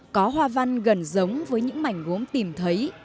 có hoa văn gần giống với những mảnh gốm tìm thấy